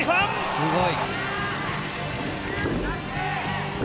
すごい！